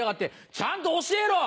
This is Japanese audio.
ちゃんと教えろ！